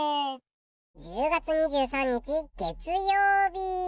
１０月２３日月曜日。